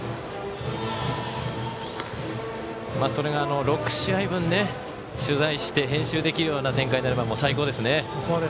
それが、６試合分、取材して編集できるような展開になれば最高ですね。